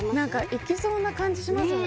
いきそうな感じしますよね